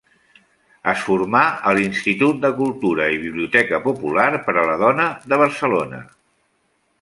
Es formà a l'Institut de Cultura i Biblioteca Popular per a la Dona de Barcelona.